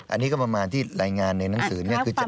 อันนี้เป็นที่รายงานในหนังสือนี้บ้าง